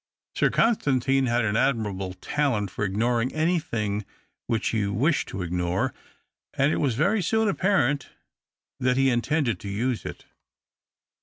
Sir Oonstantine had an admirable talent for ignoring anything which he wished to ignore, and it was very soon apparent that he intended to use it.